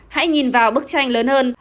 hãy nhìn vào bức tranh lớn hơn